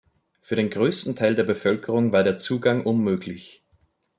Für den größten Teil der Bevölkerung war der Zugang unmöglich.